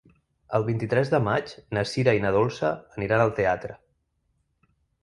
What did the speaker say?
El vint-i-tres de maig na Sira i na Dolça aniran al teatre.